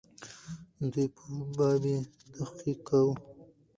دوی په باب یې تحقیق کاوه.